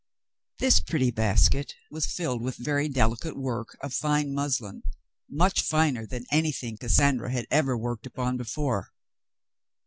This pretty basket was filled with very delicate work of fine muslin, much finer than anything Cassandra had ever worked upon before.